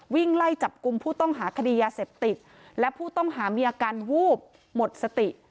วิ่งไล่จับกลุ่มผู้ต้องหาคดียาเสพติดและผู้ต้องหามีอาการวูบหมดสติ